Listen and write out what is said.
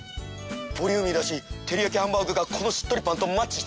ボリューミーだし照りやきハンバーグがこのしっとりパンとマッチしてるな！